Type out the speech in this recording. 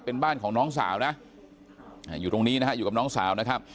เป็นบ้านของน้องสาวนะอยู่ตรงนี้นะฮะอยู่กับน้องสาวนะครับ